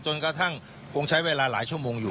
จนกระทั่งคงใช้เวลาหลายชั่วโมงอยู่